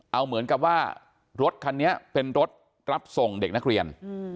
เอาเหมือนกับว่ารถคันนี้เป็นรถรับส่งเด็กนักเรียน